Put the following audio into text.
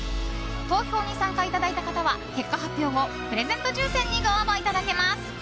投票に参加いただいた方は結果発表後、プレゼント抽選にご応募いただけます。